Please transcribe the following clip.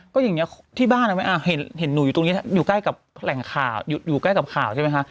ก็อย่างนี้ที่บ้านเห็นหนูอยู่ตรงนี้อยู่ใกล้กับแหล่งข่าวอยู่ใกล้กับข่าวใช่ไหมคะ